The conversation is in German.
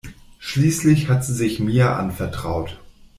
Schließlich hat sie sich Mia anvertraut.